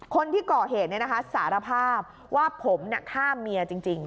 คนที่เกาะเหตุเนี่ยนะคะสารภาพว่าผมน่ะข้ามเมียจริงจริง